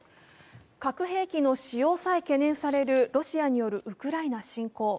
核兵器の使用さえ懸念されるロシアによるウクライナ侵攻。